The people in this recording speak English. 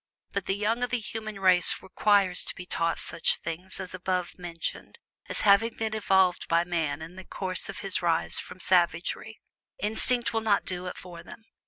But the young of the human race requires to be taught such things as above mentioned as having been evolved by man in the course of his rise from savagery instinct will not do it for them.